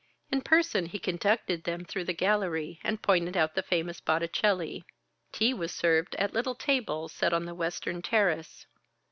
In person he conducted them through the gallery and pointed out the famous Botticelli. Tea was served at little tables set on the western terrace.